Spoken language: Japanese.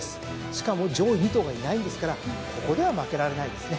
しかも上位２頭がいないんですからここでは負けられないですね。